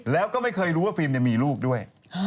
แล้วก็ไม่เคยรู้ว่าฟรีมเนี่ยมีลูกด้วย